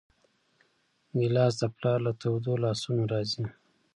ګیلاس د پلار له تودو لاسونو راځي.